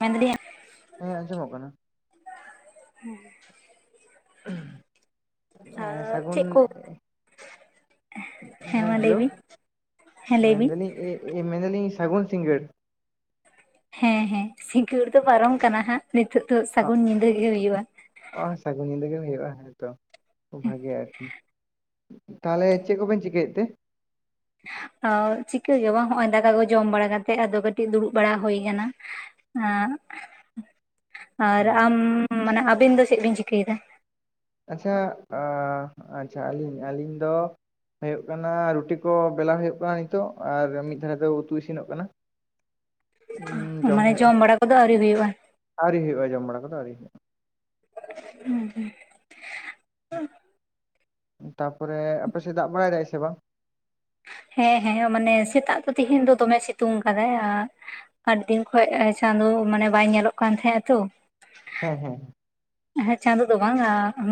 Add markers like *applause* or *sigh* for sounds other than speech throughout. ᱢᱮᱫᱨᱤ ᱦᱮᱸ ᱟᱸᱡᱚᱢᱚᱜ ᱠᱟᱱᱟ ᱦᱩᱸ ᱮ ᱥᱟᱹᱜᱩᱱ ᱪᱮᱫ ᱠᱚ ᱦᱮᱸ ᱢᱟ ᱞᱟᱹᱭ ᱦᱮᱞᱳ ᱵᱤᱱ ᱦᱮᱸ ᱞᱟᱹᱭ ᱵᱤᱱ ᱢᱮᱱᱫᱟᱞᱤᱧ ᱮ ᱢᱮᱱᱫᱟᱞᱤᱧ ᱥᱟᱹᱜᱩᱱ ᱥᱤᱜᱟᱹᱬ᱾ ᱦᱮᱸ ᱦᱮᱸ ᱥᱤᱸᱜᱟᱹᱲ ᱫᱚ ᱯᱟᱨᱚᱢ ᱠᱟᱱᱟ ᱦᱟᱸᱜ ᱱᱤᱛᱚᱜ ᱫᱚ ᱥᱟᱹᱜᱩᱱ ᱧᱤᱫᱟᱹ ᱜᱮ ᱦᱩᱭᱩᱜᱼᱟ ᱚ ᱥᱟᱹᱜᱩᱱ ᱧᱤᱫᱟᱹ ᱜᱮ ᱦᱩᱭᱩᱜᱼᱟ ᱦᱮᱸᱛᱚ ᱠᱷᱩᱵ ᱵᱷᱟᱜᱮ ᱟᱨᱠᱤ᱾ ᱛᱟᱦᱚᱞᱮ ᱪᱮᱫ ᱠᱚ ᱵᱤᱱ ᱪᱤᱠᱟᱹ ᱭᱮᱜ ᱛᱮ? ᱪᱤᱠᱟᱹᱜ ᱜᱮ ᱵᱟᱝ ᱦᱚᱜ ᱚᱚᱭ ᱫᱟᱠᱟ ᱠᱚ ᱡᱚᱢ ᱵᱟᱲᱟ ᱠᱟᱛᱮᱜ ᱟᱫᱚ ᱠᱟᱹᱴᱤᱡ ᱫᱩᱲᱩᱵ ᱵᱟᱲᱟ ᱦᱩᱭ ᱟᱠᱟᱱᱟ ᱟᱨ ᱟᱢ ᱢᱟᱱᱮ ᱟᱵᱤᱱ ᱫᱚ ᱪᱮᱫ ᱵᱤᱱ ᱪᱤᱠᱟᱹᱭᱮᱫᱟ ᱟᱪᱪᱷᱟ ᱟᱪᱪᱷᱟ ᱟ ᱟᱹᱞᱤᱧ ᱟᱹᱞᱤᱧ ᱫᱚ, ᱦᱩᱭᱩᱜ ᱠᱟᱱᱟ ᱨᱩᱴᱤ ᱠᱚ ᱵᱮᱞᱟᱣ ᱦᱩᱭᱩᱜ ᱠᱟᱱᱟ ᱱᱤᱛᱚᱜ ᱟᱨ ᱢᱤᱫ ᱫᱷᱟᱨᱮ ᱫᱚ ᱩᱛᱩ ᱤᱥᱤᱱᱚᱜ ᱠᱟᱱᱟ᱾ ᱢᱟᱱᱮ ᱡᱚᱢ ᱵᱟᱲᱟ ᱠᱚᱫᱚ ᱟᱹᱣᱨᱤ ᱦᱩᱭᱩᱜᱼᱟ ᱟᱹᱣᱨᱤ ᱦᱩᱭᱩᱜᱼᱟ ᱡᱚᱢ ᱵᱟᱲᱟ ᱠᱚᱫᱚ ᱟᱹᱣᱨᱤ ᱦᱩᱭᱩᱜᱼᱟ ᱦᱩᱸᱦᱩᱸ ᱛᱟᱯᱚᱨᱮ ᱟᱯᱮᱥᱮᱫ ᱫᱟᱜ ᱵᱟᱲᱟᱭ ᱫᱟᱭ ᱥᱮ ᱵᱟᱝ ᱦᱮᱸ ᱦᱮᱸ ᱢᱟᱱᱮ ᱥᱮᱛᱟᱜ ᱫᱚ ᱛᱮᱦᱤᱧ ᱫᱚ ᱫᱚᱢᱮ ᱥᱤᱛᱩᱝ ᱟᱠᱟᱫᱟᱭ ᱟᱨ ᱟᱨ ᱫᱤᱱ ᱠᱷᱚᱡ ᱪᱟᱸᱫᱳ ᱢᱟᱱᱮ ᱵᱟᱭ ᱧᱮᱞᱚᱜ ᱠᱟᱱ ᱛᱟᱦᱮᱸᱼᱟ ᱛᱚ ᱦᱮᱸ ᱦᱮᱸ ᱪᱟᱸᱫᱳ ᱫᱚ ᱵᱟᱝ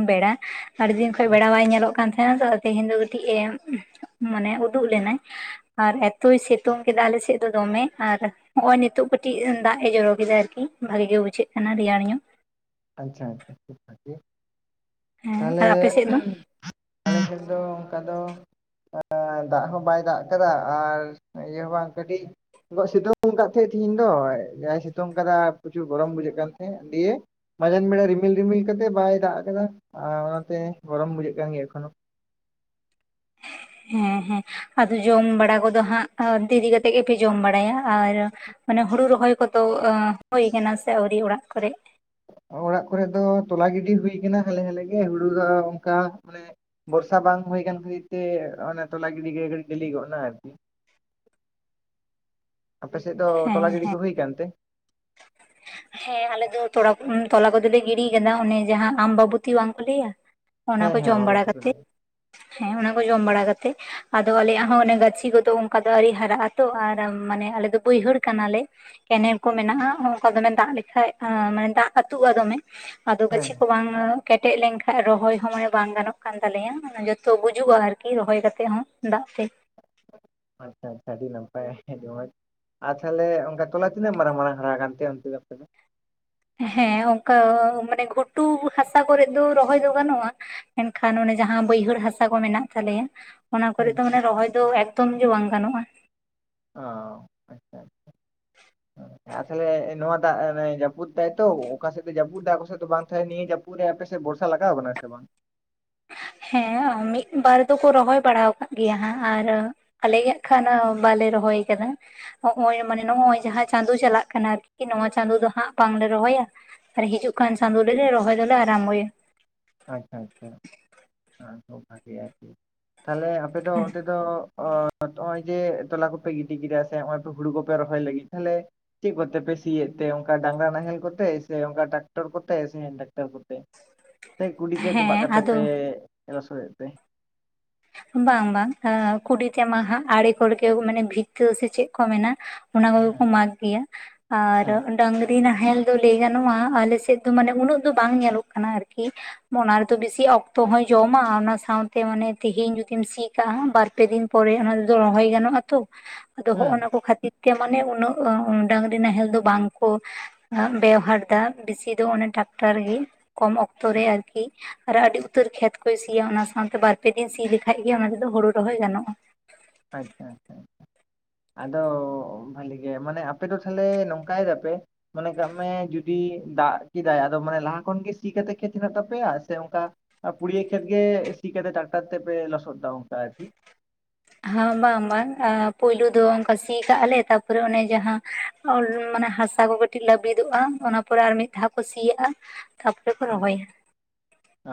ᱵᱮᱲᱟ ᱟᱹᱤᱫᱤᱱ ᱠᱷᱚᱱ ᱵᱮᱲᱟ ᱵᱟᱭ ᱧᱮᱞᱚᱜ ᱠᱟᱱ ᱛᱟᱦᱮᱱᱟ ᱛᱚ ᱛᱮᱦᱮᱧ ᱫᱚ ᱠᱟᱹᱴᱤᱡ ᱮ ᱢᱟᱱᱮ ᱩᱫᱩᱜ ᱞᱮᱱᱟᱭ ᱟᱨ ᱮᱛᱚᱭ ᱥᱤᱛᱩᱝ ᱠᱮᱫᱟ ᱟᱞ ᱥᱮᱫ ᱫᱚ ᱫᱚᱢᱮ ᱟᱨ ᱦᱚᱜ ᱚᱭ ᱱᱤᱛᱚᱜ ᱠᱟᱴᱤᱡ ᱫᱟᱜ ᱮ ᱡᱚᱨᱚ ᱠᱮᱫᱟ ᱟᱨᱠᱤ ᱵᱷᱟᱜᱤ ᱜᱮ ᱵᱩᱡᱷᱟᱹᱜ ᱠᱟᱱᱟ ᱨᱮᱭᱟᱲ ᱧᱚᱜ ᱟᱪᱪᱷᱟ ᱟᱪᱪᱷᱟ ᱟᱰᱤ ᱵᱷᱟᱜᱤ ᱦᱮᱸ ᱛᱟᱦᱚᱞᱮ ᱟᱨ ᱟᱯᱮ ᱥᱮᱫ ᱫᱚ ᱟᱞᱮ ᱥᱮᱫ ᱫᱚ ᱚᱝᱠᱟ ᱫᱚ ᱫᱟᱜ ᱦᱚᱸ ᱵᱟᱭ ᱫᱟᱜ ᱟᱠᱟᱫᱟ ᱟᱨ ᱤᱭᱟᱹ ᱦᱚᱸ ᱵᱟᱝ ᱠᱟᱹᱴᱤᱡ ᱥᱤᱛᱩᱝ ᱟᱠᱟᱫ ᱛᱟᱦᱮᱸᱫ ᱛᱤᱦᱮᱧ ᱫᱚ ᱡᱟᱭ ᱥᱤᱛᱩᱝ ᱠᱟᱫᱟ ᱯᱨᱚᱪᱩᱨ ᱜᱚᱨᱚᱢ ᱵᱩᱡᱷᱟᱹᱜ ᱠᱟᱱ ᱛᱟᱦᱮᱸᱫ ᱫᱤᱭᱮ ᱢᱟᱡᱟᱱ ᱵᱮᱲᱟ ᱨᱤᱢᱤᱞ ᱨᱤᱢᱤᱞ ᱠᱟᱛᱮ ᱵᱟᱭ ᱫᱟᱜ ᱟᱠᱟᱫᱟ ᱟᱨ ᱚᱱᱟᱛᱮ ᱜᱚᱨᱚᱢ ᱵᱩᱡᱷᱟᱹᱜ ᱠᱟᱱ ᱜᱮᱭᱟ ᱮᱠᱷᱚᱱᱳ ᱦᱮᱸ ᱦᱮᱸ ᱟᱫᱚ ᱡᱚᱢ ᱵᱟᱲᱟ ᱠᱚᱫᱚ ᱦᱟᱸᱜ ᱚᱱᱛᱮ ᱤᱫᱤ ᱠᱟᱛᱮᱫ ᱜᱮᱯᱮ ᱡᱚᱢ ᱵᱟᱲᱟᱭᱟ ᱟᱨ ᱢᱟᱱᱮ ᱦᱩᱲᱩ ᱨᱚᱦᱚᱭ ᱠᱚᱫᱚ ᱦᱳᱭ ᱠᱟᱱᱟ ᱥᱮ ᱟᱣᱨᱤ ᱚᱲᱟᱜ ᱠᱚᱨᱮᱜ ᱚᱲᱟᱜ ᱠᱚᱨᱮ ᱫᱚ ᱛᱚᱞᱟ ᱜᱤᱰᱤ ᱦᱩᱭ ᱟᱠᱟᱱᱟ ᱦᱟᱞᱮ ᱦᱟᱞᱮ ᱜᱮ ᱦᱩᱲᱩ ᱫᱚ ᱚᱱᱠᱟ ᱢᱟᱱᱮ ᱵᱚᱨᱥᱟ ᱵᱟᱝ ᱦᱩᱭ ᱠᱟᱱ ᱠᱷᱟᱹᱛᱤᱨ ᱛᱮ ᱚᱱᱮ ᱛᱚᱞᱟ ᱜᱤᱰᱤ ᱜᱷᱟᱹᱲᱤᱡ ᱜᱞᱤ ᱜᱚᱫᱱᱟ ᱟᱨᱠᱤ *inaudible* ᱟᱯᱮ ᱥᱮᱫ ᱫᱚ ᱦᱮᱸ ᱛᱚᱞᱟ ᱜᱤᱰᱤ ᱦᱮᱸ ᱠᱚ ᱦᱩᱭ ᱠᱟᱱᱛᱮ ᱦᱮᱸ ᱟᱞᱮ ᱫᱚ ᱛᱚᱞᱟ ᱠᱚᱫᱚᱞᱮ ᱜᱤᱰᱤ ᱠᱟᱫᱟ ᱚᱱᱮ ᱡᱟᱦᱟᱸ ᱟᱢᱵᱟᱵᱩᱛᱤ ᱵᱟᱝᱠᱚ ᱞᱟᱹᱭᱟ ᱚᱱᱟ ᱦᱮᱸ ᱠᱚ ᱦᱮᱸ ᱡᱚᱢ ᱵᱟᱲᱟ ᱢᱟᱢᱚᱛᱤ ᱠᱚ ᱠᱟᱛᱮᱜ ᱞᱟᱹᱭᱟ ᱦᱮᱸ ᱚᱱᱟ ᱠᱚ ᱡᱚᱢ ᱵᱟᱲᱟ ᱠᱟᱛᱮᱜ ᱟᱫᱚ ᱟᱞᱮᱭᱟᱜ ᱦᱚᱸ ᱚᱱᱮ ᱜᱟᱪᱷᱤ ᱠᱚᱫᱚ ᱚᱱᱠᱟ ᱫᱚ ᱟᱹᱣᱨᱤ ᱦᱟᱨᱟᱜ-ᱟ ᱛᱚ ᱟᱨ ᱢᱟᱱᱮ ᱟᱞᱮ ᱵᱟᱹᱭᱦᱟᱹᱲ ᱠᱟᱱᱟᱞᱮ ᱠᱮᱱᱮᱞ ᱠᱚ ᱢᱮᱱᱟᱜᱼᱟ ᱚᱱᱠᱟ ᱫᱚᱢᱮ ᱫᱟᱜ ᱞᱮᱠᱷᱟᱡ ᱢᱟᱱᱮ ᱫᱟᱜ ᱟᱹᱛᱩᱜᱼᱟ ᱫᱚᱢᱮ ᱟᱫᱚ ᱦᱮᱸ ᱜᱟᱪᱷᱤ ᱠᱚ ᱵᱟᱝ ᱠᱮᱴᱮᱡ ᱞᱮᱱᱠᱷᱟᱡ ᱨᱚᱦᱚᱭ ᱦᱚᱸ ᱢᱟᱱᱮ ᱵᱟᱝ ᱜᱟᱱᱚᱜ ᱠᱟᱱ ᱛᱟᱞᱮᱭᱟ, ᱚᱱᱟ ᱡᱚᱛᱚ ᱜᱩᱡᱩᱜᱼᱟ ᱟᱨᱠᱤ ᱨᱚᱦᱚᱭ ᱠᱟᱛᱮ ᱦᱚᱸ ᱫᱟᱜ ᱛᱮ᱾ ᱟᱪᱪᱷᱟ ᱟᱪᱪᱷᱟ ᱟᱹᱰᱤ ᱱᱟᱯᱟᱭ ᱟᱨ ᱛᱟᱦᱚᱞᱮ ᱚᱝᱠᱟ ᱛᱚᱞᱟ ᱛᱤᱱᱟᱹᱜ ᱢᱟᱨᱟᱝ ᱢᱟᱨᱟᱝ ᱦᱟᱨᱟ ᱠᱟᱱᱛᱮ ᱚᱱᱛᱮ ᱫᱚ ᱟᱯᱮ ᱫᱚ? ᱦᱮᱸ ᱚᱱᱠᱟ ᱢᱟᱱᱮ ᱜᱷᱩᱴᱩ ᱦᱟᱥᱟ ᱠᱚᱨᱮᱫ ᱫᱚ ᱨᱚᱦᱚᱭ ᱫᱚ ᱜᱟᱱᱚᱜᱼᱟ ᱮᱱᱠᱷᱟᱱ ᱚᱱᱮ ᱡᱟᱦᱟ ᱵᱟᱹᱭᱦᱟᱹᱲ ᱦᱟᱥᱟ ᱠᱚ ᱢᱮᱱᱟᱜ ᱛᱟᱞᱮᱭᱟ ᱚᱱᱟ ᱠᱚᱨᱮ ᱦᱮᱸ ᱫᱚ ᱢᱟᱱᱮ ᱨᱚᱦᱚᱭ ᱫᱚ ᱮᱠᱫᱚᱢ ᱜᱮ ᱵᱟᱝ ᱜᱟᱱᱚᱜᱼᱟ ᱚ ᱟᱪᱪᱷᱟ ᱟᱪᱪᱷᱟ *inaudible* ᱦᱮᱸ ᱛᱟᱦᱚᱞᱮ ᱱᱚᱣᱟ ᱫᱟᱜ ᱡᱟᱹᱯᱩᱫ ᱛᱟᱭᱛᱚ ᱚᱠᱟ ᱥᱮᱫ ᱫᱚ ᱡᱟᱹᱯᱩᱫ ᱫᱟ ᱚᱠᱟ ᱥᱮᱫ ᱫᱚ ᱵᱟᱝ ᱱᱤᱭᱟᱹ ᱡᱟᱹᱯᱩᱫ ᱯᱩᱨᱮ ᱟᱯᱮᱥᱮᱫ ᱵᱚᱨᱥᱟ ᱞᱟᱜᱟᱣ ᱟᱠᱟᱱᱟ ᱥᱮ ᱵᱟᱝ ᱦᱮᱸ ᱢᱤᱫ ᱵᱟᱨ ᱫᱚᱠᱚ ᱨᱚᱦᱚᱭ ᱵᱟᱲᱟ ᱟᱠᱟᱫ ᱜᱮᱭᱟ ᱦᱟᱸᱜ ᱟᱨ ᱟᱞᱮᱭᱟᱜ ᱠᱷᱟᱱ ᱵᱟᱞᱮ ᱨᱚᱦᱚᱭ ᱠᱟᱫᱟ ᱱᱚᱜᱚᱭ ᱢᱟᱱᱮ ᱱᱚᱜᱚᱭ ᱡᱟᱦᱟ ᱪᱟᱸᱫᱳ ᱪᱟᱞᱟᱜ ᱠᱟᱱᱟ ᱟᱨᱠᱤ ᱱᱚᱣᱟ ᱪᱟᱸᱫᱳ ᱫᱚ ᱦᱟᱸᱜ ᱵᱟᱝᱞᱮ ᱨᱚᱦᱚᱭᱟ᱾ ᱟᱨ ᱦᱤᱡᱩᱜ ᱠᱟᱱ ᱪᱟᱸᱫᱳ ᱨᱚᱦᱚᱭ ᱫᱚᱞᱮ ᱟᱨᱟᱢᱵᱚᱭᱟ ᱟᱪᱪᱷᱟ ᱟᱪᱪᱷᱟ ᱵᱷᱟᱜᱮᱭᱟ ᱟᱨᱠᱤ ᱛᱟᱦᱚᱞᱮ ᱟᱯᱮᱫᱚ ᱚᱱᱛᱮ ᱫᱚ ᱚ ᱱᱚᱜᱼᱚᱭ ᱡᱮ ᱛᱚᱞᱟ ᱠᱚᱯᱮ ᱜᱤᱰᱤ ᱠᱮᱫᱟ ᱥᱮ ᱱᱚᱜᱼᱚᱭ ᱦᱩᱲᱩ ᱠᱚᱯᱮ ᱨᱚᱦᱚᱭ ᱞᱟᱹᱜᱤᱫ ᱛᱟᱦᱞᱮ ᱪᱮᱫ ᱠᱚᱛᱮ ᱯᱮ ᱥᱤᱭᱮᱫ ᱛᱮ ᱚᱝᱠᱟ ᱰᱟᱝᱨᱟ ᱱᱟᱦᱮᱞ ᱠᱚᱛᱮ ᱥᱮ ᱚᱝᱠᱟ ᱴᱟᱠᱴᱟᱨ ᱠᱚᱛᱮ ᱥᱮ ᱦᱮᱱ ᱴᱟᱠᱴᱟᱨ ᱠᱚᱛᱮ ᱥᱮ ᱠᱩᱰᱤᱛᱮ ᱠᱚᱵᱟᱜ ᱦᱮᱸ ᱠᱟᱛᱮ ᱟᱫᱚ ᱯᱮ ᱞᱚᱥᱚᱫᱮᱛ ᱛᱮ ᱵᱟᱝ ᱵᱟᱝ ᱠᱩᱰᱤᱛᱮ ᱢᱟ ᱦᱟᱜ ᱟᱲᱮ ᱢᱟᱱᱮ ᱵᱷᱤᱛᱟᱹ ᱥᱮ ᱪᱮᱫ ᱠᱚ ᱢᱮᱱᱟ ᱚᱱᱟ ᱠᱚᱜᱮ ᱦᱮᱸ ᱠᱚ ᱢᱟᱠ ᱜᱮᱭᱟ ᱟᱨ ᱦᱮᱸ ᱰᱟᱝᱨᱤ ᱱᱟᱦᱮᱞ ᱜᱟᱱᱚᱜᱼᱟ ᱟᱞᱮ ᱥᱮᱫ ᱫᱚ ᱢᱟᱱᱮ ᱩᱱᱟᱹᱜ ᱫᱚ ᱵᱟᱝ ᱧᱮᱞᱚᱜ ᱠᱟᱱᱟ ᱟᱨᱠᱤ ᱚᱱᱟ ᱨᱮᱛᱚ ᱵᱮᱥᱤ ᱚᱠᱛᱚ ᱦᱚᱸᱭ ᱡᱚᱢᱟ ᱚᱱᱟ ᱥᱟᱶᱛᱮ ᱢᱟᱱᱮ ᱛᱮᱦᱤᱧ ᱡᱩᱫᱤᱢ ᱥᱤ ᱠᱟᱜᱼᱟ ᱵᱟᱨ ᱯᱮ ᱫᱤᱱ ᱯᱚᱨᱮ ᱚᱱᱟ ᱨᱮᱫᱚ ᱨᱚᱦᱚᱭ ᱜᱟᱱᱚᱜᱼᱟ ᱛᱚ ᱟᱫᱚ ᱦᱮᱸ ᱱᱟ ᱠᱚ ᱠᱷᱟᱹᱛᱤᱨ ᱛᱮ ᱢᱟᱱᱮ ᱩᱱᱟᱹᱜ ᱰᱟᱝᱨᱤ ᱱᱟᱦᱮᱞ ᱫᱚ ᱵᱟᱝ ᱠᱚ ᱵᱮᱣᱦᱟᱨ ᱫᱟ ᱵᱮᱥᱤ ᱫᱚ ᱚᱱᱮ ᱴᱟᱠᱴᱟᱨ ᱜᱮ ᱠᱚᱢ ᱚᱠᱛᱚᱨᱮ ᱟᱨᱠᱤ ᱟᱨ ᱟᱹᱰᱤ ᱩᱛᱟᱹᱨ ᱠᱷᱮᱛ ᱠᱚᱭ ᱥᱤᱭᱟ ᱚᱱᱟ ᱥᱟᱶᱛᱮ ᱵᱟᱨ ᱯᱮ ᱫᱤᱱ ᱥᱤ ᱞᱮᱠᱷᱟᱡ ᱜᱮ ᱚᱱᱟ ᱨᱮᱫᱚ ᱦᱳᱲᱳ ᱨᱚᱦᱚᱭ ᱜᱟᱱᱚᱜᱼᱟ᱾ ᱟᱪᱪᱷᱟ ᱟᱪᱪᱷᱟ ᱟᱪᱪᱷᱟ ᱟᱫᱚ ᱵᱷᱟᱹᱞᱤ ᱜᱮ ᱢᱟᱱᱮ ᱟᱯᱮ ᱫᱚ ᱛᱟᱦᱞᱮ ᱱᱚᱝᱠᱟᱭ ᱫᱟᱯᱮ ᱢᱚᱱᱮ ᱠᱟᱜ ᱢᱮ ᱡᱩᱫᱤ ᱫᱟᱜ ᱠᱮᱫᱟᱭ ᱟᱫᱚ ᱢᱟᱱᱮ ᱞᱟᱦᱟ ᱠᱷᱚᱱᱜᱮ ᱥᱤ ᱠᱟᱛᱮ ᱠᱷᱮᱛ ᱦᱮᱱᱟᱜ ᱛᱟᱯᱮᱭᱟ ᱥᱮ ᱚᱱᱠᱟ ᱟᱨ ᱯᱩᱲᱭᱟᱹ ᱠᱷᱮᱛ ᱜᱮ ᱥᱤ ᱠᱟᱛᱮ ᱴᱟᱠᱴᱟᱨ ᱛᱮ ᱯᱮ ᱞᱚᱥᱚᱫ ᱟᱨᱠᱤ ᱦᱮᱸ ᱵᱟᱝ ᱵᱟᱝ ᱯᱳᱭᱞᱩ ᱫᱚ ᱚᱱᱠᱟ ᱥᱤ ᱠᱟᱜᱼᱟ ᱞᱮ ᱛᱟᱯᱚᱨᱮ ᱚᱱᱮ ᱡᱟᱦᱟᱸ *inaudible* ᱦᱟᱥᱟ ᱠᱚ ᱠᱟᱹᱴᱤᱡ ᱞᱟᱹᱵᱤᱫᱚᱜᱼᱟ ᱚᱱᱟ ᱯᱚᱨᱮ ᱟᱨ ᱢᱤᱫ ᱫᱷᱟᱣ ᱠᱚ ᱥᱤᱭᱟᱜᱼᱟ ᱛᱟ ᱯᱚᱨᱮ ᱠᱚ ᱨᱚᱦᱚᱭ ᱚ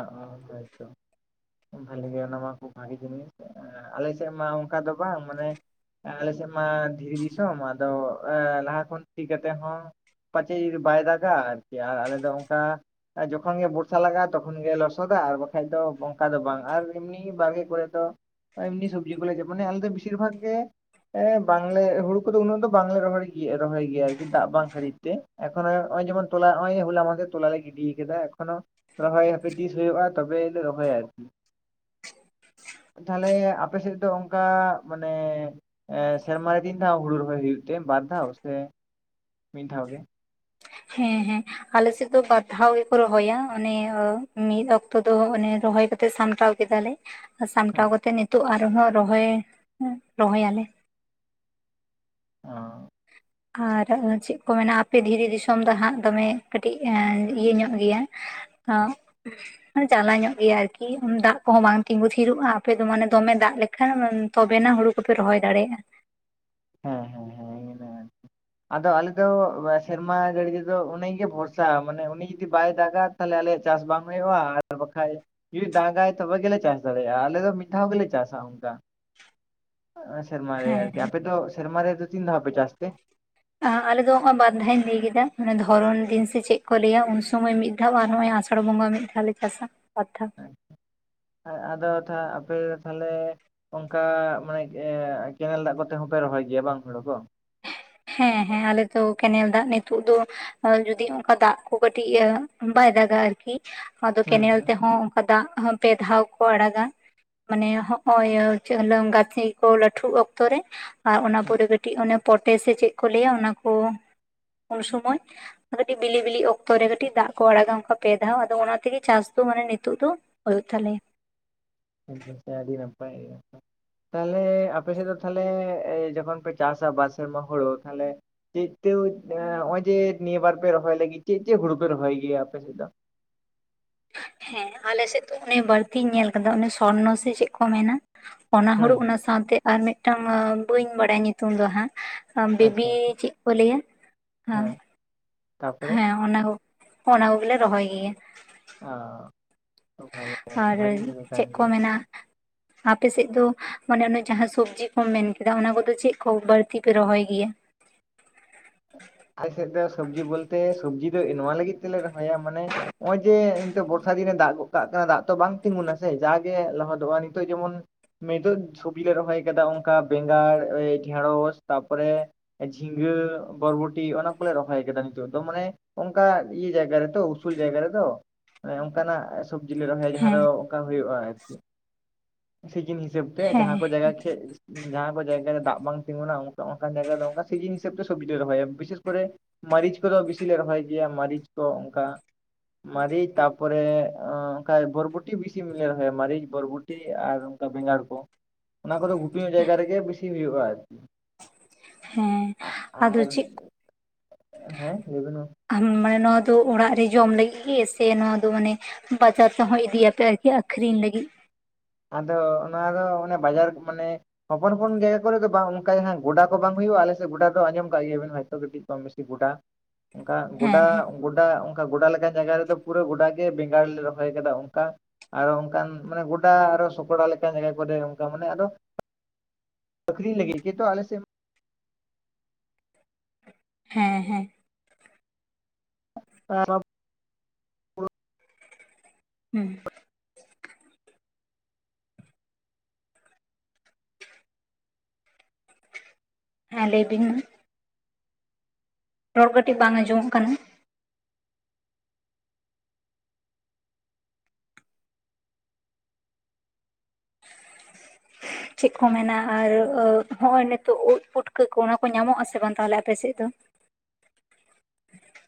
ᱚ *inaudible* ᱵᱷᱟᱞᱤ ᱜᱮ ᱚᱱᱟᱢᱟ ᱠᱷᱩᱯ ᱵᱷᱟᱜᱮ ᱡᱤᱱᱤᱥ *inaudible* ᱟᱞᱮ ᱥᱮᱫ ᱢᱟ ᱚᱱᱠᱟ ᱫᱚ ᱵᱟᱝ ᱢᱟᱱᱮ ᱟᱞᱮᱥᱮᱫ ᱢᱟ ᱫᱷᱤᱨᱤ ᱫᱤᱥᱚᱢ ᱟᱫᱚ ᱞᱟᱦᱟ ᱠᱷᱚᱱ ᱥᱤ ᱠᱟᱛᱮ ᱦᱚᱸ ᱯᱟᱪᱮ ᱡᱩᱫᱤ ᱵᱟᱭ ᱫᱟᱜᱼᱟ ᱟᱨᱠᱤ ᱟᱨ ᱟᱞᱮ ᱫᱚ ᱚᱱᱠᱟ ᱡᱚᱠᱷᱚᱱ ᱜᱮ ᱵᱚᱨᱥᱟ ᱞᱟᱜᱟᱜᱼᱟ ᱛᱚᱠᱷᱚᱱ ᱜᱮ ᱞᱚᱥᱚᱫ ᱫᱟ ᱟᱨ ᱵᱟᱠᱷᱟᱡ ᱫᱚ ᱚᱱᱠᱟ ᱫᱚ ᱵᱟᱝ ᱟᱨ ᱮᱢᱱᱤ ᱵᱟᱨᱜᱮ ᱠᱚᱨᱮ ᱫᱚ ᱮᱢᱱᱤ ᱥᱚᱵᱡᱤ ᱠᱚ ᱞᱮ ᱢᱟᱱᱮ ᱟᱞᱮ ᱫᱚ ᱵᱤᱥᱤᱨ ᱵᱷᱟᱜᱽ ᱜᱮ ᱮᱸ ᱵᱟᱝᱞᱮ ᱦᱩᱲᱩ ᱠᱚᱫᱚ ᱩᱱᱟᱹᱜ ᱫᱚ ᱵᱟᱝᱞᱮ ᱨᱚᱦᱚᱭ ᱨᱚᱦᱚᱭ ᱜᱮᱭᱟ ᱟᱨᱠᱤ ᱫᱟᱜ ᱵᱟᱝ ᱠᱷᱟᱹᱛᱤᱨ ᱛᱮ ᱮᱠᱷᱚᱱᱳ ᱚ ᱚᱜᱭ ᱡᱚᱢᱚᱱ ᱛᱚᱞᱟ ᱦᱚᱞᱟ ᱛᱳᱞᱟ ᱞᱮ ᱜᱤᱰᱤ ᱠᱟᱫᱟ ᱮᱠᱷᱚᱱᱳ ᱨᱚᱦᱚᱭ ᱦᱟᱯᱮ ᱛᱤᱥ ᱦᱳᱭᱳᱜᱼᱟ ᱛᱚᱵᱮ ᱞᱮ ᱨᱚᱦᱚᱭᱟ ᱟᱨᱠᱤ *unintelligible* *inaudible* ᱛᱟᱦᱞᱮ ᱟᱯᱮ ᱥᱮᱫ ᱫᱚ ᱚᱱᱠᱟ ᱢᱟᱱᱮ ᱥᱮᱨᱢᱟ ᱨᱮ ᱛᱤᱱ ᱫᱷᱟᱣ ᱦᱩᱲᱩ ᱨᱚᱦᱚᱭ ᱦᱩᱭᱩᱜ ᱛᱮ ᱵᱟᱨ ᱫᱷᱟᱣ ᱥᱮ ᱢᱤᱫ ᱫᱷᱟᱣ ᱜᱮ? ᱦᱮᱸ ᱦᱮᱸ ᱟᱞᱮ ᱥᱮᱫ ᱫᱚ ᱵᱟᱨ ᱫᱷᱟᱣ ᱜᱮᱠᱚ ᱨᱚᱦᱚᱭ ᱚᱱᱮ ᱚ ᱢᱤᱫ ᱚᱠᱛᱚ ᱫᱚ ᱚᱱᱮ ᱨᱚᱦᱚᱭ ᱠᱟᱛᱮ ᱥᱟᱢᱴᱟᱣ ᱠᱮᱫᱟ ᱞᱮ ᱦᱮᱸ ᱥᱟᱢᱴᱟᱣ ᱠᱟᱛᱮ ᱱᱤᱛᱚᱜ ᱟᱨᱦᱚᱸ ᱨᱚᱦᱚᱭ ᱨᱚᱦᱚᱭ ᱟᱞᱮ ᱚᱸ ᱟᱨ ᱪᱮᱫ ᱠᱚ ᱢᱮᱱᱟ ᱟᱯᱮ ᱫᱷᱤᱨᱤ ᱫᱤᱥᱚᱢ ᱫᱚ ᱦᱟᱸᱜ ᱫᱚᱢᱮ ᱠᱟᱹᱴᱤᱡ ᱤᱭᱟᱹ ᱧᱚᱜ ᱜᱮᱭᱟ᱾ *unintelligible* ᱡᱟᱞᱟ ᱧᱚᱜ ᱜᱮᱭᱟ ᱟᱨᱠᱤ ᱫᱟᱜ ᱠᱚᱦᱚᱸ ᱵᱟᱝ ᱛᱤᱸᱜᱩ ᱛᱷᱤᱨᱚᱜᱼᱟ ᱟᱯᱮ ᱫᱚ ᱢᱟᱱᱮ ᱫᱚᱢᱮ ᱫᱟᱜ ᱞᱮᱠᱟ ᱠᱷᱟᱱ ᱛᱚᱵᱮᱱᱟ ᱦᱳᱲᱳ ᱠᱚᱯᱮ ᱨᱚᱦᱚᱭ ᱫᱟᱲᱮᱜᱼᱟ ᱦᱮᱸ ᱦᱮᱸ ᱦᱮᱸ *inaudible* ᱟᱫᱚ ᱟᱞᱮ ᱫᱚ ᱥᱮᱨᱢᱟ ᱡᱟᱹᱲᱤ ᱛᱮᱫᱚ ᱩᱱᱤ ᱜᱮ ᱵᱷᱚᱨᱥᱟ ᱢᱟᱱᱮ ᱩᱱᱤ ᱡᱩᱫᱤ ᱵᱟᱭ ᱫᱟᱜ-ᱟ ᱛᱟᱦᱞᱮ ᱟᱞᱮᱭᱟᱜ ᱪᱟᱥ ᱵᱟᱝ ᱦᱳᱭᱳᱜᱼᱟ ᱟᱨ ᱵᱟᱠᱷᱟᱡ ᱡᱩᱫᱤ ᱫᱟᱜ ᱟᱭ ᱛᱚᱵᱮ ᱜᱮᱞᱮ ᱪᱟᱥ ᱫᱟᱲᱮᱭᱟᱜᱼᱟ ᱟᱞᱮ ᱫᱚ ᱢᱤᱫ ᱫᱷᱟᱣ ᱜᱮᱞᱮ ᱪᱟᱥᱟ ᱟ ᱚᱱᱠᱟ᱾ ᱥᱮᱨᱢᱟ ᱨᱮ ᱦᱮᱸ ᱟᱨᱠᱤ ᱟᱯᱮ ᱫᱚ ᱥᱮᱨᱢᱟ ᱨᱮ ᱛᱤᱱ ᱫᱷᱟᱣ ᱯᱮ ᱪᱟᱥ ᱛᱮ *unintelligible* ᱟᱞᱮᱫ ᱫᱚ ᱵᱟᱨᱫᱷᱟᱹᱧ ᱞᱟᱹᱭ ᱠᱮᱫᱟ ᱢᱟᱱᱮ ᱫᱷᱚᱨᱚᱱ ᱫᱤᱱ ᱥᱮ ᱪᱮᱫ ᱠᱚ ᱞᱟᱹᱭᱟ ᱩᱱ *unintelligible* ᱥᱳᱢᱳᱭ ᱢᱤᱫ ᱫᱷᱟᱣ ᱟᱨ ᱱᱚᱜᱼᱚᱭ ᱟᱥᱟᱲ ᱵᱚᱸᱜᱟ ᱢᱤᱫ ᱫᱷᱟᱣ ᱞᱮ ᱪᱟᱥᱟ ᱵᱟᱨ ᱫᱷᱟᱣ ᱟᱫᱚ ᱟᱯᱮ ᱛᱟᱦᱞᱮ ᱚᱱᱠᱟ ᱢᱟᱱᱮ ᱠᱮᱱᱮᱞ ᱫᱟᱜ ᱠᱚᱛᱮ ᱦᱚᱸᱯᱮ ᱨᱚᱦᱚᱭ ᱜᱮᱭᱟ ᱵᱟᱝ ᱦᱳᱲᱳ ᱠᱚ ᱦᱮᱸ ᱦᱮᱸ ᱟᱞᱮ ᱫᱚ ᱠᱮᱱᱮᱞ ᱫᱟᱜ ᱱᱤᱛᱳᱜ ᱫᱚ ᱟᱨ ᱡᱩᱫᱤ ᱚᱱᱠᱟ ᱫᱟᱜ ᱠᱚ ᱠᱟᱹᱴᱤᱡ ᱤᱭᱟᱹ ᱵᱟᱭ ᱫᱟᱜ-ᱟ ᱟᱨᱠᱤ ᱟᱫᱚ ᱦᱩᱸ ᱠᱮᱱᱮᱞ ᱦᱩᱸ ᱛᱮᱦᱚᱸ ᱚᱱᱠᱟ ᱫᱟᱜ ᱦᱚᱸ ᱯᱮ ᱫᱷᱟᱣ ᱠᱚ ᱟᱲᱟᱜᱟ᱾ ᱢᱟᱱᱮ ᱦᱚᱸᱜᱼᱚᱭ ᱤᱪᱟᱹᱜ ᱦᱤᱞᱟᱹᱢ ᱜᱟᱹᱛᱷᱤ ᱠᱚ ᱞᱟᱹᱴᱷᱩᱜ ᱚᱠᱛᱚ ᱨᱮ ᱟᱨ ᱚᱱᱟ ᱟᱪᱪᱷᱟ ᱯᱚᱨᱮ ᱠᱟᱹᱴᱤᱡ ᱚᱱᱮ ᱯᱚᱴᱮ ᱥᱮ ᱪᱮᱫ ᱠᱚ ᱞᱟᱹᱭ-ᱟ ᱚᱱᱟ ᱠᱚ ᱩᱱ ᱥᱚᱢᱚᱭ ᱠᱟᱹᱴᱤᱡ ᱵᱤᱞᱤ ᱵᱤᱞᱤ ᱚᱠᱛᱚ ᱨᱮ ᱠᱟᱹᱴᱤᱡ ᱫᱟᱜ ᱠᱚ ᱟᱲᱟᱜ-ᱟ ᱚᱱᱠᱟ ᱯᱮ ᱫᱷᱟᱣ ᱟᱫᱚ ᱚᱱᱟ ᱛᱮᱜᱮ ᱪᱟᱥ ᱫᱚ ᱢᱟᱱᱮ ᱱᱤᱛᱚᱜ ᱫᱚ ᱦᱳᱭ ᱛᱟᱦᱞᱮ *unintelligible* ᱟᱹᱰᱤ ᱱᱟᱯᱟᱭ ᱛᱟᱦᱞᱮ ᱟᱯ ᱥᱮᱫ ᱫᱚ ᱛᱟᱦᱞᱮ ᱡᱚᱠᱷᱚᱱ ᱯᱮ ᱪᱟᱥᱟ ᱵᱟᱨ ᱥᱮᱨᱢᱟ ᱦᱳᱲᱳ ᱛᱟᱦᱞᱮ ᱪᱮᱫ *unintelligible* ᱱᱚᱜᱼᱚᱭ ᱡᱮ ᱱᱤᱭᱟᱹ ᱵᱟᱨ ᱯᱮ ᱨᱚᱦᱚᱭ ᱞᱟᱹᱜᱤᱫ ᱪᱮᱫ ᱪᱮᱫ ᱦᱳᱲᱳ ᱯᱮ ᱨᱚᱦᱚᱭ ᱜᱮᱭᱟ ᱟᱯᱮ ᱥᱮᱫ ᱫᱚ? ᱦᱮᱸ ᱟᱞᱮ ᱥᱮᱫ ᱫᱚ ᱚᱱᱮ ᱵᱟᱹᱲᱛᱤᱧ ᱧᱮᱞ ᱠᱟᱫᱟ ᱚᱱᱮ ᱥᱚᱨᱱᱚ ᱥᱮ ᱪᱮᱫ ᱠᱚ ᱢᱮᱱᱟ ᱚᱱᱟ ᱦᱳᱲᱳ ᱦᱮᱸ ᱚᱱᱟ ᱥᱟᱶᱛᱮ ᱟᱨ ᱢᱤᱫ ᱴᱟᱝ ᱵᱟᱹᱧ ᱵᱟᱰᱟᱭ-ᱟ ᱧᱩᱛᱩᱢ ᱫᱚ ᱦᱟᱸᱜ ᱵᱤᱵᱤ ᱟᱪᱪᱷᱟ ᱟᱪᱪᱷᱟ ᱪᱮᱫ ᱠᱚ ᱞᱟᱹᱭ-ᱟ ᱦᱟᱸᱜ ᱦᱮᱸ ᱛᱟᱯᱚᱨᱮ ᱦᱮᱸ ᱚᱱᱟ ᱠᱚ ᱚᱱᱟ ᱠᱚᱜᱮ ᱞᱮ ᱨᱚᱦᱚᱭ ᱜᱮᱭᱟ ᱚᱸ ᱟᱨ ᱪᱮᱫ ᱠᱚ ᱜᱮᱭᱟ ᱢᱮᱱᱟ ᱟᱯᱮ ᱥᱮᱫ ᱫᱚ ᱢᱟᱱᱮ ᱚᱱᱮ ᱡᱟᱦᱟᱸ ᱥᱚᱵᱽᱡᱤ ᱠᱚᱢ ᱢᱮᱱ ᱠᱮᱫᱟ ᱚᱱᱟ ᱠᱚᱫᱚ ᱪᱮᱫ ᱠᱚ ᱵᱟᱹᱲᱛᱤ ᱯᱮ ᱨᱚᱦᱚᱭ ᱜᱮᱭᱟ᱾ ᱟᱞᱮ ᱥᱮᱫ ᱫᱚ ᱥᱚᱵᱽᱡᱤ ᱵᱚᱞᱛᱮ ᱥᱚᱵᱡᱤ ᱫᱚ ᱱᱚᱣᱟ ᱞᱟᱹᱜᱤᱫ ᱛᱮᱞᱮ ᱨᱚᱦᱚᱭᱟ ᱢᱟᱱᱮ ᱱᱚᱜᱼᱚᱭ ᱡᱮ ᱱᱤᱛᱚᱜ *unintelligible* ᱫᱟᱜ ᱜᱚᱫ ᱠᱟᱜ ᱠᱟᱱᱟ ᱫᱟᱜ ᱛᱚ ᱵᱟᱝ ᱛᱤᱸᱜᱩᱱᱟ ᱥᱮ ᱡᱟᱜᱮ ᱞᱚᱦᱚᱫᱚᱜᱼᱟ ᱱᱤᱛᱚᱜ ᱡᱮᱢᱚᱱ ᱥᱚᱵᱽᱡᱤ ᱞᱮ ᱨᱚᱦᱚᱭ ᱠᱟᱫᱟ ᱚᱱᱠᱟ ᱵᱮᱸᱜᱟᱲ ᱰᱷᱮᱸᱲᱚᱥ ᱛᱟᱨ ᱯᱚᱨᱮ᱾ ᱡᱷᱤᱸᱜᱟ. ᱵᱚᱨᱵᱚᱴ ᱴᱤ ᱚᱱᱟ ᱠᱚᱞᱮ ᱨᱚᱦᱚᱭ ᱠᱟᱫᱟ ᱱᱤᱛᱚᱜ ᱛᱚ ᱢᱟᱱᱮ ᱚᱱᱠᱟ ᱤᱭᱟᱹ ᱡᱟᱭᱜᱟ ᱨᱮᱛᱚ ᱩᱥᱩᱞ ᱡᱟᱭᱜᱟ ᱨᱮᱛᱚ ᱚᱱᱠᱟᱱᱟᱜ ᱥᱚᱵᱡᱤᱞ ᱞᱮ ᱨᱚᱦᱚᱭᱟ ᱡᱟᱦᱟᱸ ᱦᱮᱸ ᱫᱚ ᱚᱱᱠᱟ ᱦᱳᱭᱳᱜᱼᱟ ᱟᱨᱠᱤ ᱥᱤᱡᱤᱱ ᱦᱤᱥᱟᱹᱵ ᱛᱮ ᱦᱮᱸ ᱡᱟᱦᱟᱸ ᱠᱚ ᱡᱟᱭᱜᱟ *unintelligible* ᱡᱟᱦᱟᱸ ᱠᱚ ᱡᱟᱭᱜᱟ ᱨᱮ ᱫᱟᱜ ᱵᱟᱝ ᱛᱤᱸᱜᱩᱱᱟ ᱡᱟᱭᱜᱟ ᱫᱚ ᱚᱱᱠᱟ ᱥᱤᱡᱤᱱ ᱦᱤᱥᱟᱹᱵ ᱛᱮ ᱥᱚᱵᱽᱡᱤ ᱞᱮ ᱨᱚᱦᱚᱭᱟ ᱵᱤᱥᱮᱥ ᱠᱚᱨᱮ ᱢᱟᱹᱨᱤᱪ ᱠᱚᱫᱚ ᱵᱤᱥᱤ ᱞᱮ ᱨᱚᱦᱚᱭ ᱜᱮᱭᱟ ᱢᱟᱹᱨᱤᱪ ᱠᱚ ᱚᱱᱠᱟ ᱢᱟᱨᱟᱹᱨᱤᱪ ᱛᱟᱯᱚᱨᱮ ᱚᱱᱠᱟ ᱵᱚᱨᱵᱚᱴᱤ ᱵᱤᱥᱤ ᱜᱮᱞᱮ ᱨᱚᱦᱚᱭᱟ ᱢᱟᱨᱤᱪ ᱵᱚᱨᱵᱚᱴᱤ *unintelligible* ᱟᱨ ᱚᱱᱠᱟ ᱵᱮᱸᱜᱟᱲ ᱠᱚ ᱚᱱᱟ ᱠᱚᱫᱚ ᱜᱷᱩᱴ ᱧᱚᱜ ᱡᱟᱭᱜᱟ ᱨᱮᱜᱮ ᱵᱮᱥᱤ ᱦᱩᱭᱩᱜᱼᱟ ᱟᱨᱠᱤ ᱦᱮᱸ ᱟᱫᱚ ᱟᱨ ᱪᱮᱫ ᱦᱮᱸ ᱞᱮᱵᱤᱱ ᱢᱟ ᱟᱢ ᱢᱟᱱᱮ ᱱᱚᱣᱟ ᱫᱚ ᱚᱲᱟᱜ ᱨᱮ ᱡᱚᱢ ᱞᱟᱹᱜᱤᱫ ᱜᱮ ᱥᱮ ᱱᱚᱣᱟ ᱫᱚ ᱢᱟᱱᱮ ᱵᱟᱡᱟᱨ ᱛᱮ ᱦᱚᱸ ᱤᱫᱤᱭᱟᱯᱮ ᱟᱨᱠᱤ ᱟᱠᱷᱨᱤᱧ ᱞᱟᱹᱜᱤᱫ ᱟᱫᱚ ᱚᱱᱟ ᱫᱚ ᱚᱱᱮ ᱵᱟᱡᱟᱨ ᱠᱚ ᱢᱟᱱᱮ ᱦᱚᱯᱚᱱᱼᱦᱚᱯᱚᱱ ᱡᱟᱭᱜᱟ ᱠᱚᱨᱮ ᱫᱚ ᱵᱟᱝ ᱚᱱᱠᱟ ᱜᱚᱰᱟ ᱠᱚ ᱵᱟᱝ ᱦᱩᱭᱩᱜᱼᱟ ᱟᱞᱮᱥᱮᱫ ᱜᱚᱰᱟ ᱫᱚ ᱟᱸᱚᱢ ᱠᱟᱜ ᱜᱮᱭᱟᱵᱮᱱ ᱦᱚᱭᱛᱳ ᱠᱟᱹᱴᱤᱡ ᱠᱚᱢ ᱵᱮᱥᱤ ᱜᱚᱰᱟ ᱚᱱᱠᱟ ᱦᱮᱸ ᱜᱚᱰᱟ ᱦᱮᱸ ᱜᱚᱰᱟ ᱚᱱᱠᱟ ᱜᱚᱰᱟ ᱞᱮᱠᱟᱱ ᱡᱟᱭᱜᱟ ᱨᱮᱫᱚ ᱯᱩᱨᱟᱹ ᱜᱚᱰᱟ ᱜᱮ ᱵᱮᱸᱜᱟᱲ ᱞᱮ ᱨᱚᱦᱚᱭ ᱟᱠᱟᱫᱟ ᱚᱱᱠᱟ ᱟᱨᱚ ᱚᱱᱠᱟᱱ ᱢᱟᱱᱮ ᱜᱚᱰ *unintelligible* ᱥᱚᱠᱲᱟ ᱞᱮᱠᱟᱱ ᱠᱚᱨᱮ ᱚᱱᱠᱟ ᱢᱟᱱᱮ ᱟᱫᱚ ᱟᱹᱠᱷᱨᱤᱧ ᱞᱟᱹᱜᱤᱫ ᱠᱤᱱᱛᱩ ᱟᱞᱮ ᱥᱮᱫ ᱦᱮᱸ ᱦᱮᱸ *unintelligible* *inaudible* ᱩᱸ ᱦᱮᱸ ᱞᱟᱹᱭ ᱵᱤᱱ ᱢᱟ ᱨᱚᱲ ᱠᱟᱹᱴᱤᱡ ᱵᱟᱝ ᱟᱸᱡᱚᱢᱚᱜ ᱠᱟᱱᱟ ᱪᱮᱫ ᱠᱚ ᱢᱮᱱᱟ ᱟᱨ ᱦᱚᱜᱼᱚᱭ ᱱᱤᱛᱚᱜ ᱳᱫ ᱯᱩᱴᱠᱟᱹ ᱠᱚ ᱚᱱᱟ ᱠᱚ ᱧᱟᱢᱚᱜ ᱟᱥᱮ ᱵᱟᱝ ᱛᱟᱦᱚᱞᱮ ᱟᱯᱮᱥᱮᱫ ᱫᱚ